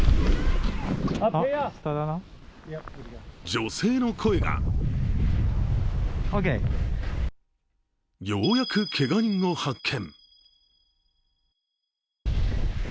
女性の声がようやくけが人を発見。